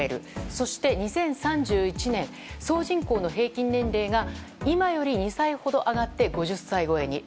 そして、２０３１年総人口の平均年齢が今より２歳ほど上がって５０歳超えに。